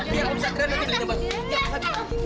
biar aku bisa keren lagi dengan nyoba